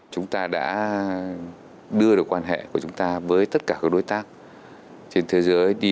chúng ta đã đưa được quan hệ của chúng ta với tất cả các đối tác trên thế giới đi